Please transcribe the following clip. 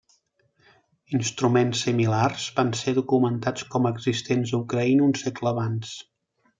Instruments similars van ser documentats com a existents a Ucraïna un segle abans.